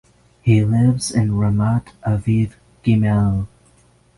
He lives in Ramat Aviv Gimmel.